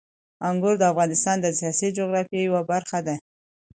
انګور د افغانستان د سیاسي جغرافیې یوه برخه ده.